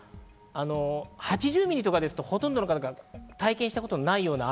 ８０ミリとかですと、ほとんどの方が体験したことのないような雨。